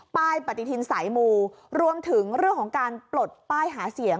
ปฏิทินสายมูรวมถึงเรื่องของการปลดป้ายหาเสียง